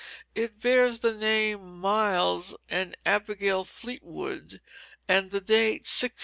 It bears the names Miles and Abigail Fleetwood, and the date 1654.